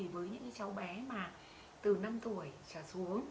với những cháu bé mà từ năm tuổi trở xuống